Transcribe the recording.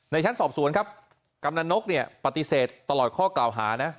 ชั้นสอบสวนครับกำนันนกเนี่ยปฏิเสธตลอดข้อกล่าวหานะ